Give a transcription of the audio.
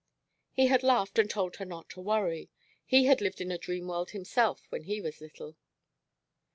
He had laughed and told her not to worry. He had lived in a dream world himself when he was little.